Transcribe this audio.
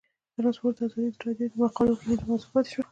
ترانسپورټ د ازادي راډیو د مقالو کلیدي موضوع پاتې شوی.